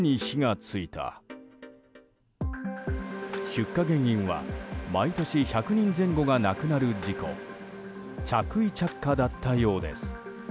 出火原因は毎年１００人前後が亡くなる事故着衣着火だったようです。